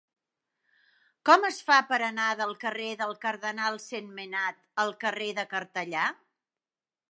Com es fa per anar del carrer del Cardenal Sentmenat al carrer de Cartellà?